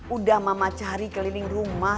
udah mama cari keliling rumah